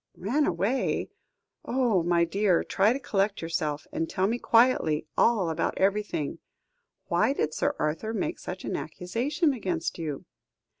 "Ran away? Oh! my dear; try to collect yourself, and tell me quietly all about everything. Why did Sir Arthur make such an accusation against you?"